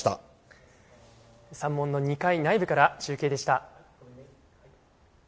三門の２階内部から中継でした。